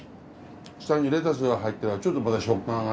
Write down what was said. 下にレタスが入ってるからちょっとまた食感がね。